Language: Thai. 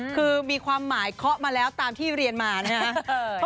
คือมีความหมายเคาะมาแล้วตามที่เรียนมานะครับ